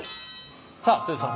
さあ剛さん